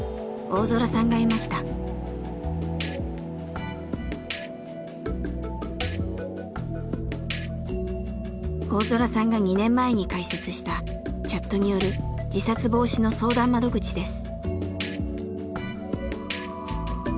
大空さんが２年前に開設したチャットによる自殺防止の相談窓口です。